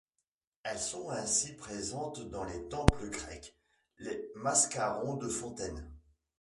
Elles sont ainsi présentes dans les temples grecs, les mascarons de fontaines.